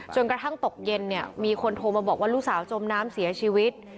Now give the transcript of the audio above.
กระทั่งตกเย็นเนี่ยมีคนโทรมาบอกว่าลูกสาวจมน้ำเสียชีวิต